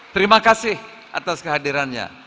terima kasih atas kehadirannya